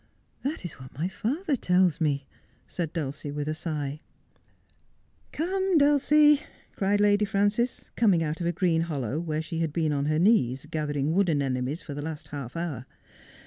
'That is what my father tells me,' said Dulcie, with a sigh. ' Come, Dulcie,' cried Lady Frances, coming out of a green hollow where she had been on her knees gathering wood anemones for the last half hour.